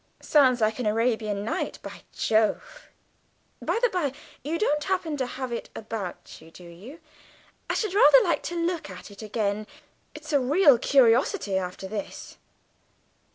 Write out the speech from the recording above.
Sounds like an Arabian Night, by Jove! By the by, you don't happen to have it about you, do you? I should rather like to look at it again. It's a real curiosity after this."